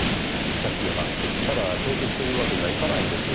借金はただ帳消しというわけにはいかないんですよ。